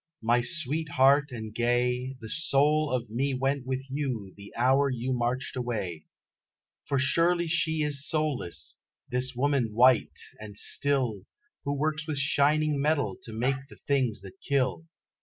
My sweet heart and gay, The soul of me went with you the hour you marched away, For surely she is soulless, this woman white, and still, Who works with shining metal to make the things that kill.